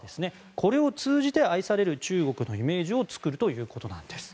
これを通じて愛される中国のイメージを作るということです。